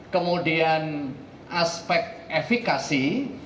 kemudian aspek efikasi